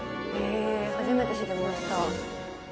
初めて知りました。